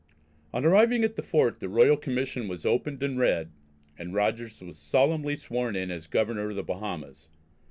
On arriving at the Fort the royal commission was opened and read, and Rogers was solemnly sworn in as Governor of the Bahamas.